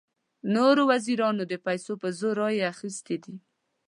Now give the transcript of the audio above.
نورو وزیرانو د پیسو په زور رایې اخیستې دي.